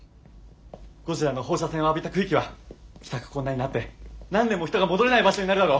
ゴジラの放射線を浴びた区域は帰宅困難になって何年も人が戻れない場所になるだろう。